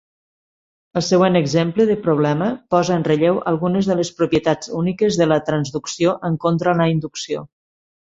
El següent exemple de problema posa en relleu algunes de les propietats úniques de la transducció en contra la inducció.